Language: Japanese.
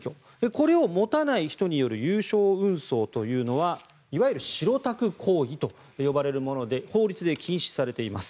これを持たない人による有償運送というのはいわゆる白タク行為と呼ばれるもので法律で禁止されています。